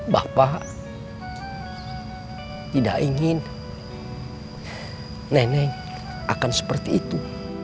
bapak tidak ingin nenek akan seperti itu